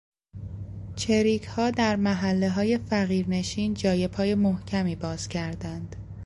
چریکها در محلههای فقیرنشین جای پای محکمی باز کردند.